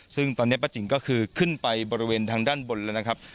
ซึ่งตอนนี้ป้าจิ๋งก็คือขึ้นไปบริเวณทางด้านบนแล้วนะครับ